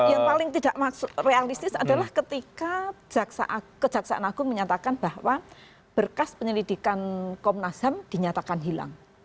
yang paling tidak realistis adalah ketika kejaksaan agung menyatakan bahwa berkas penyelidikan komnas ham dinyatakan hilang